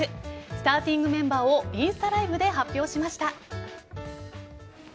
スターティングメンバーをインスタライブで発表しました。